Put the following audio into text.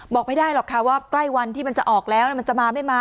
บอกไม่ได้หรอกค่ะว่าใกล้วันที่มันจะออกแล้วมันจะมาไม่มา